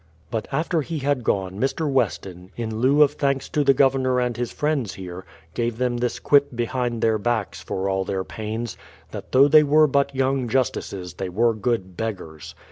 But after he had gone, Mr. Weston, in lieu of thanks to the Governor and his friends here, gave them this quip behind their backs, for all their pains : That though they were but young justices, they were good beggars.